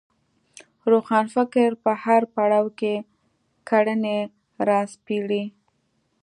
روښانفکر په هر پړاو کې کړنې راسپړي